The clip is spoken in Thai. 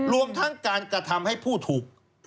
รวมทั้งการกระทำให้ผู้ถูก